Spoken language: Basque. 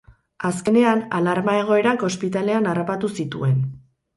Azkenean, alarma-egoerak ospitalean harrapatu zituen.